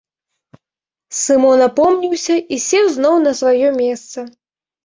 Сымон апомніўся і сеў зноў на сваё месца.